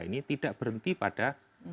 ini tidak berhenti pada